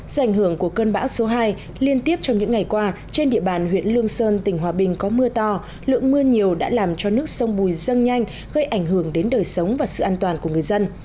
do ảnh hưởng của cơn bão số hai liên tiếp trong những ngày qua trên địa bàn huyện lương sơn tỉnh hòa bình có mưa to lượng mưa nhiều đã làm cho nước sông bùi dâng nhanh gây ảnh hưởng đến đời sống và sự an toàn của người dân